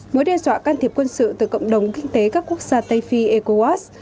mối đe dọa can thiệp quân sự từ cộng đồng kinh tế các quốc gia tây phi ecowas